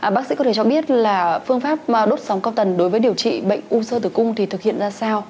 bác sĩ có thể cho biết là phương pháp đốt sóng cao tần đối với điều trị bệnh u sơ tử cung thì thực hiện ra sao